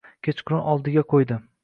Kechqurun oldiga qo`ydi